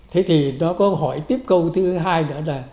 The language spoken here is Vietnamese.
thế thì nó có hỏi tiếp câu thứ hai nữa là